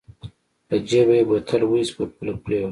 له جېبه يې بوتل واېست په پوله پرېوت.